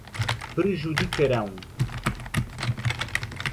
prejudicarão